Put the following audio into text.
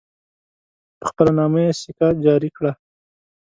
په خپل نامه یې سکه جاري کړه.